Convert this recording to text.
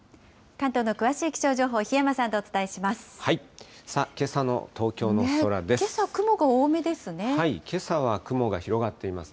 関東の詳しい気象情報、檜山さんとお伝えします。